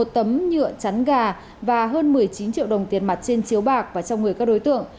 một tấm nhựa chắn gà và hơn một mươi chín triệu đồng tiền mặt trên chiếu bạc và trong người các đối tượng